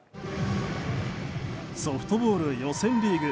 ソフトボール予選リーグ。